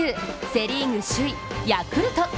セ・リーグ首位・ヤクルト。